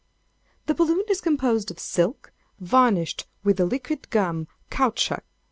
"The balloon is composed of silk, varnished with the liquid gum caoutchouc.